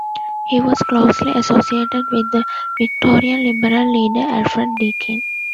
He was closely associated with the Victorian liberal leader Alfred Deakin.